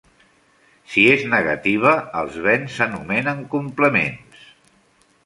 Si és negativa, els béns s'anomenen complements.